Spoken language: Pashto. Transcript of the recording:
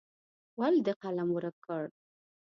ولې دې قلم ورک کړ.